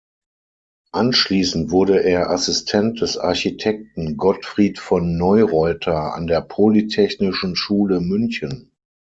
Anschließend wurde er Assistent des Architekten Gottfried von Neureuther an der Polytechnischen Schule München.